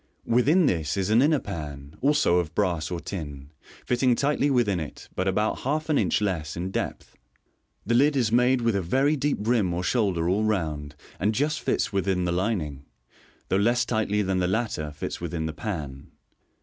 Within this is an inner pan, also of brass or tin, fitting tightly within it, but about half an inch less in depth. The lid is made with a very deep rim or shoulder all round, and just fits within the lining, though less tightly than the latter fits within the pan.